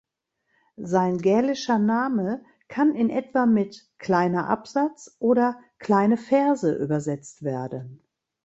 Sein gälischer Name kann in etwa mit "Kleiner Absatz" oder "Kleine Ferse" übersetzt werden.